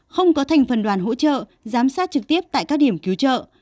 không có thành phần đoàn hỗ trợ giám sát trực tiếp tại các điểm cứu trợ